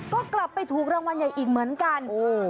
ก็กลับไปถูกรางวัลใหญ่อีกเหมือนกัน